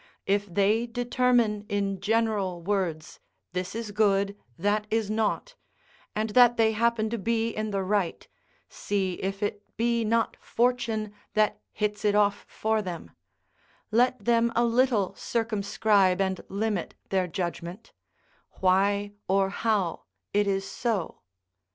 If they determine in general words, "this is good, that is naught," and that they happen to be in the right, see if it be not fortune that hits it off for them: let them a little circumscribe and limit their judgment; why, or how, it is so.